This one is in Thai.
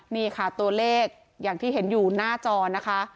นี่ค่ะตัวเลขอย่างที่เห็นอยู่หน้าจอนะคะ